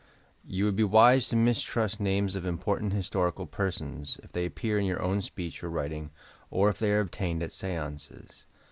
Vou would be wise to mistrust names of important historical persons, if they appear in your own speech or writing, or if they are obtained at seances.